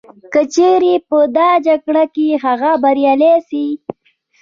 که چیري په دا جګړه کي هغه بریالی سي